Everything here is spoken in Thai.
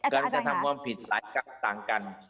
การกระทำความผิดหลายต่างกัน